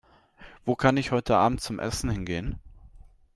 Wo kann ich heute Abend zum Essen hingehen?